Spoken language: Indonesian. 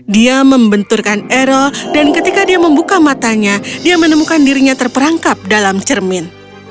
dia membenturkan erol dan ketika dia membuka matanya dia menemukan dirinya terperangkap dalam cermin